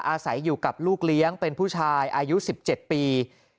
อาศัยอยู่กับลูกเลี้ยงเป็นผู้ชายอายุ๑๗ปี